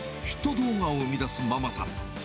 ヒット動画を生み出すママさん。